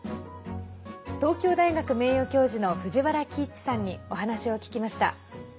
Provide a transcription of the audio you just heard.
東京大学名誉教授の藤原帰一さんにお話を聞きました。